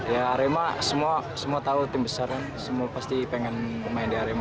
ya arema semua tahu tim besar kan semua pasti pengen bermain di arema